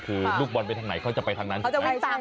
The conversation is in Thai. คือลูกบอลไปทางไหนเขาจะไปทางนั้นไหม